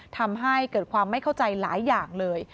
ทำให้เกิดความไม่เข้าใจหลายอย่างเลย